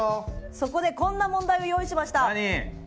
そこでこんな問題を用意しました。